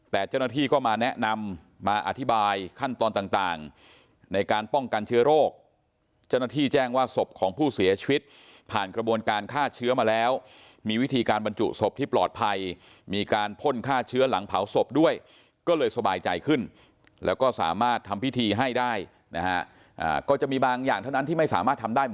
แต่เจ้าหน้าที่ก็มาแนะนำมาอธิบายขั้นตอนต่างในการป้องกันเชื้อโรคเจ้าหน้าที่แจ้งว่าศพของผู้เสียชีวิตผ่านกระบวนการฆ่าเชื้อมาแล้วมีวิธีการบรรจุศพที่ปลอดภัยมีการพ่นฆ่าเชื้อหลังเผาศพด้วยก็เลยสบายใจขึ้นแล้วก็สามารถทำพิธีให้ได้นะฮะก็จะมีบางอย่างเท่านั้นที่ไม่สามารถทำได้บ